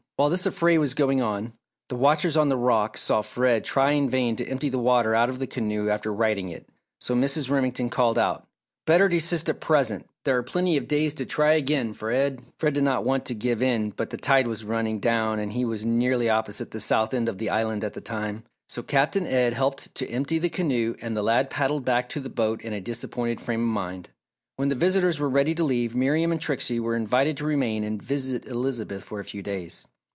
While this affray was going on, the watchers on the rock saw Fred try in vain to empty the water out of the canoe after righting it, so Mrs. Remington called out: "Better desist at present there are plenty of days to try again Fred!" Fred did not want to give in but the tide was running down and he was nearly opposite the south end of the island at the time, so Captain Ed helped to empty the canoe and the lad paddled back to the float in a disappointed frame of mind. When the visitors were ready to leave, Miriam and Trixie were invited to remain and visit Elizabeth for a few days.